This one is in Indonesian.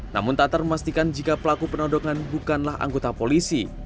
namun tatar memastikan jika pelaku penodongan bukanlah anggota polisi